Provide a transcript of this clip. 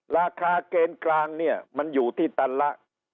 ราคาเกณฑ์กลางเนี่ยมันอยู่ที่ตันละ